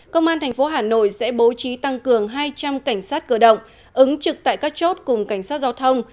công an thành phố hà nội sẽ bố trí tăng cường hai trăm linh cảnh sát cơ động ứng trực tại các chốt cùng cảnh sát giao thông